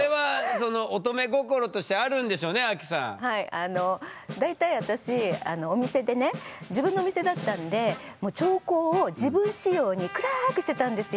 あの大体私お店でね自分のお店だったんでもう調光を自分仕様に暗くしてたんですよ。